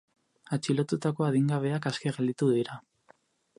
Atxilotutako adingabeak aske gelditu dira.